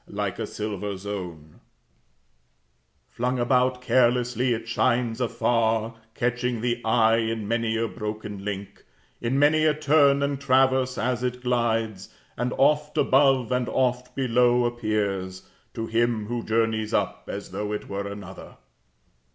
Like a silver zone "Flung about carelessly, it shines afar, Catching the eye in many a broken link, In many a turn and traverse, as it glides. And oft above, and oft below, appears to him who journeys up As though it were another."